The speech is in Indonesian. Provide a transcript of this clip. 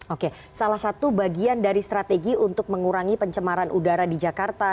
oke salah satu bagian dari strategi untuk mengurangi pencemaran udara di jakarta